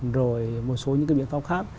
rồi một số những biện pháp khác